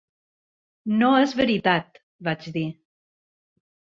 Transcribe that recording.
No és veritat, vaig dir.